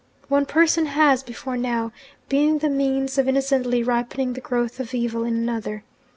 One person has, before now, been the means of innocently ripening the growth of evil in another.